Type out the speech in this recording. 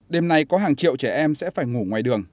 đêm nay có hàng triệu trẻ em sẽ phải ngủ ngoài đường